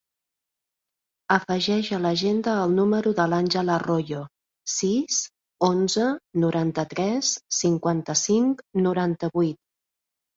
Afegeix a l'agenda el número de l'Àngel Arroyo: sis, onze, noranta-tres, cinquanta-cinc, noranta-vuit.